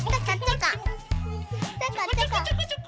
ちょこちょこちょこちょこ。